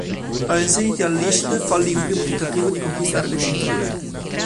A Insanity Unleashed, fallì un primo tentativo di conquistare le cinture.